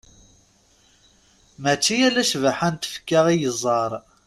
Mačči ala ccbaḥa n tfekka i yeẓẓar.